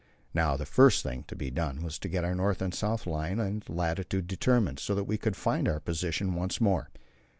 Now the first thing to be done was to get our north and south line and latitude determined, so that we could find our position once more.